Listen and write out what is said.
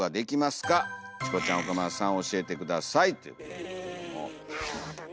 うんなるほどね。